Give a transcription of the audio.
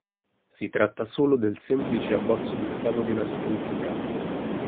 Si tratta solo del semplice abbozzo di scavo di una sepoltura.